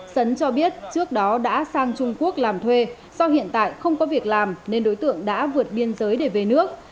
sấn cho biết trước đó đã sang trung quốc làm thuê do hiện tại không có việc làm nên đối tượng đã vượt biên giới để về nước